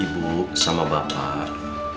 ibu sama bapak